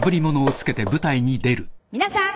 「皆さん。